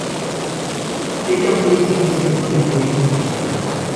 Ella fue y sigue siendo mi apoyo incondicional.